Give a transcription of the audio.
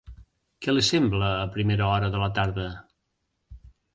Què li sembla a primera hora de la tarda?